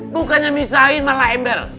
bukannya misahin malah ember